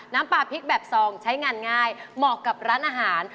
น้ำปลาพริกแบบซองใช้งานง่ายเหมาะกับร้านอาหาร